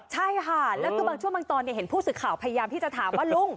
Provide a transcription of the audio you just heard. ใช่ค่ะแล้วก็บางชั่วบางตอนเนี่ยเห็นผู้ศึกข่าวพยายามที่จะถามว่า